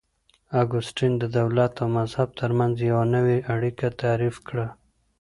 اګوستين د دولت او مذهب ترمنځ يوه نوې اړيکه تعريف کړه.